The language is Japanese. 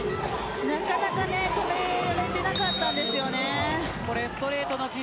なかなか止められていなかったんですよね。